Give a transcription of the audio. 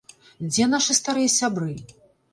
Дзе нашы старыя сябры?